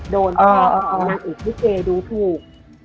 โดนทางของนางเอกริเกดูถูก